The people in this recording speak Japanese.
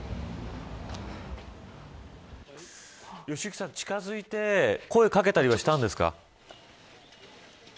良幸さん、近づいて声をかけたりはしたんですか。